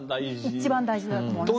一番大事だと思います。